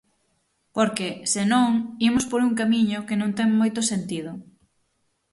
Porque, se non, imos por un camiño que non ten moito sentido.